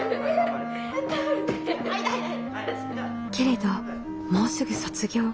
けれどもうすぐ卒業。